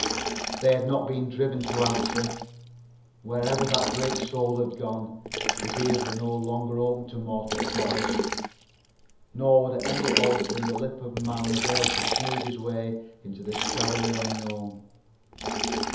They had not been driven to answer. Wherever that great soul had gone, his ears were no longer open to mortal promise, nor would any oath from the lip of man avail to smooth his way into the shadowy unknown.